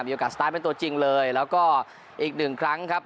โอกาสสตาร์ทเป็นตัวจริงเลยแล้วก็อีกหนึ่งครั้งครับ